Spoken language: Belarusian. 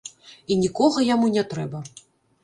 І нікога яму не трэба.